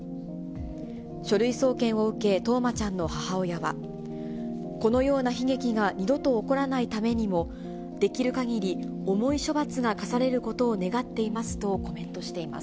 書類送検を受け、冬生ちゃんの母親は、このような悲劇が二度と起こらないためにも、できるかぎり重い処罰が科されることを願っていますとコメントしています。